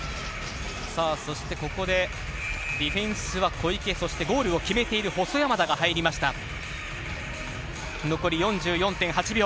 そしてここで、ディフェンスは小池、そしてゴールを決めている細山田が入りました。